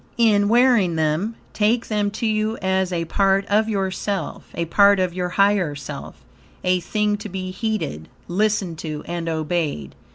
In wearing them, take them to you as a part of yourself, a part of your higher self, a thing to be heeded, listened to and obeyed.